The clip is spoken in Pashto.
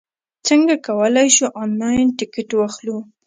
څنګه کولای شو، انلاین ټکټ واخلو؟